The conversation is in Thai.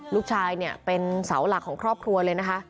ลูกชายเนี่ยเป็นเสาหลักของครอบครัวเลยนะคะ